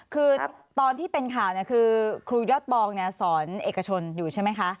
คือตอนที่เป็นข่าวคือครูยอดปองสอนเอกชนอยู่ใช่ไหมคะ